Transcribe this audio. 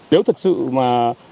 nếu thật sự mà